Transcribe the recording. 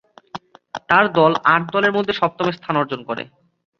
তার দল আট দলের মধ্যে সপ্তম স্থান অর্জন করে।